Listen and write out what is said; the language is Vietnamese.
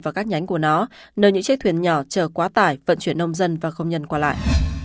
và các nhánh của nó nơi những chiếc thuyền nhỏ chờ quá tải vận chuyển nông dân và không nhân qua lại